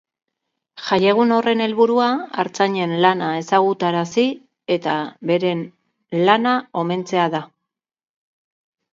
Jaiegun horren helburua artzainen lana ezagutarazi eta beren lana omentzea da.